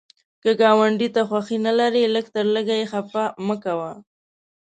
که ګاونډي ته خوښي نه لرې، لږ تر لږه یې خفه مه کوه